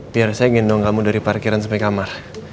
biar saya ngendong kamu dari parkiran sampai kamar